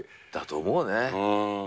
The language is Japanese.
だと思うね。